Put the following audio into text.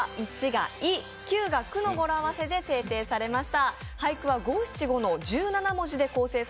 ９が「く」の語呂合わせで制定されました。